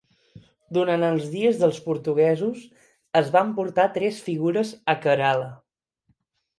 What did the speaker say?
Durant els dies dels portuguesos, es van portar tres figures a Kerala.